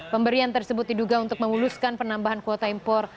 pemberian tersebut diduga untuk memuluskan penambahan kuota impor